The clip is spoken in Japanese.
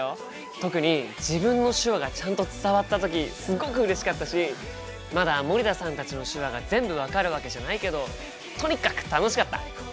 特に自分の手話がちゃんと伝わった時すごくうれしかったしまだ森田さんたちの手話が全部分かるわけじゃないけどとにかく楽しかった！